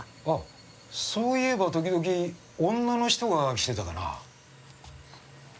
あっそういえば時々女の人が来てたかな。